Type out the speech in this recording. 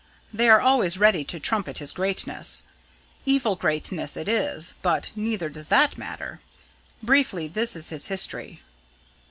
They are always ready to trumpet his greatness. Evil greatness it is but neither does that matter. Briefly, this is his history.